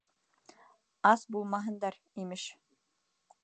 Ас булмаһындар, имеш.